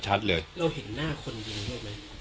บ๊วยเราเห็นหน้าคนดูด้วยไหม